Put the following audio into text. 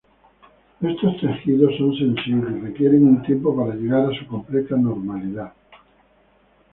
Estos tejidos son sensibles y requieren un tiempo para llegar a su completa normalidad.